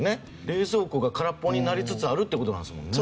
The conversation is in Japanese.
冷蔵庫が空っぽになりつつあるって事なんですもんね。